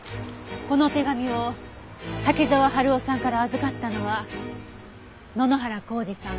この手紙を滝沢春夫さんから預かったのは野々原宏二さん